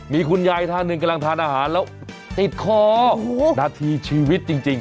มีคุณยายท่านหนึ่งกำลังทานอาหารแล้วติดคอนาทีชีวิตจริง